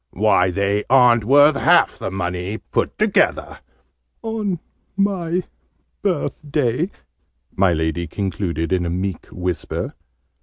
"Why, they aren't worth half the money, put together!" "On my birthday," my Lady concluded in a meek whisper.